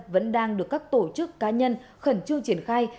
vẫn đang được các tổ chức cá nhân khẩn trương triển khai